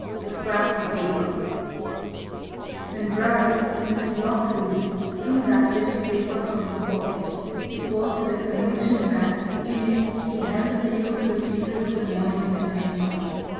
THE SCRAP OF PAPER When Bryce, in his locked room, drew that bit of paper from his pocket, it was with the conviction that in it he held a clue to the secret of the morning's adventure.